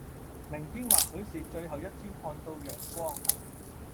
明天或許是最後一天看到陽光，